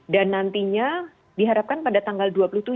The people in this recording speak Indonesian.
dan nantinya diharapkan pada tanggal dua puluh tujuh